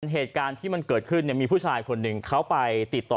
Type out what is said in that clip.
เหตุการณ์ที่มันเกิดขึ้นมีผู้ชายคนหนึ่งเขาไปติดต่อ